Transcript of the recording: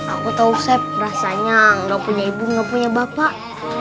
aku tau sep rasanya gak punya ibu gak punya bapak